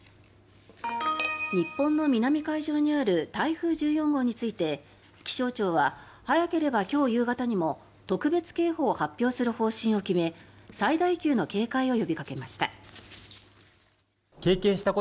日本の南海上にある台風１４号について気象庁は早ければ今日夕方にも特別警報を発表する方針を決め最大級の警戒を呼びかけました。